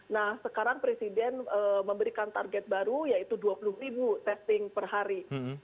nah sekarang presiden memberikan target baru yaitu dua puluh ribu testing per hari